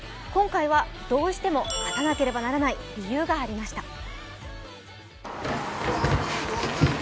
今回はどうしても勝たなければならない理由がありました。